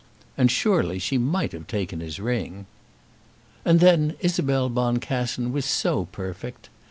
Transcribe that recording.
And surely she might have taken his ring! And then Isabel Boncassen was so perfect!